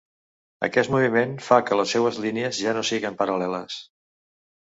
Aquest moviment fa que les seues línies ja no siguen paral·leles.